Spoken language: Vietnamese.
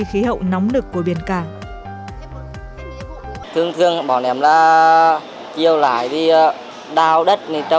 khí hậu nóng nực của biển cả